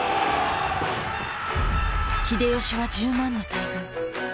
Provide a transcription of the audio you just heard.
秀吉は１０万の大軍。